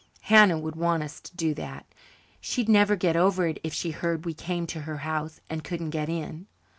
"Hannah would want us to do that. She'd never get over it, if she heard we came to her house and couldn't get in."